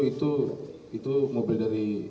itu mobil dari